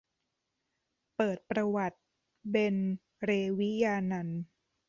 เปิดประวัติ เบญ เรวิญานันท์